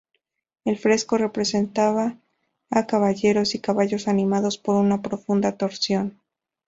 El fresco representaba a caballeros y caballos animados por una profunda torsión.